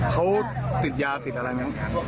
เขาติดยาติดอะไรมั้ย